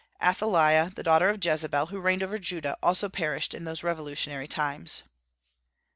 Athaliah, the daughter of Jezebel, who reigned over Judah, also perished in those revolutionary times.